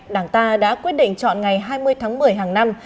đảng ta đã quyết định chọn ngày hai mươi tháng một mươi hàng năm